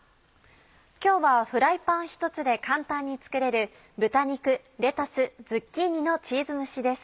今日はフライパン１つで簡単に作れる「豚肉レタスズッキーニのチーズ蒸し」です。